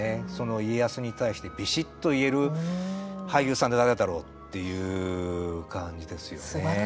家康に対してびしっと言える俳優さんって誰だろうっていう感じですよね。